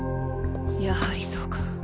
やはりそうか。